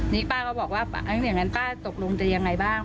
นี่ป้าก็บอกว่าอย่างนั้นป้าตกลงจะยังไงบ้าง